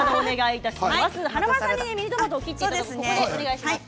華丸さんミニトマトを切ってもらいます。